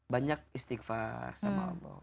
banyak istighfar sama allah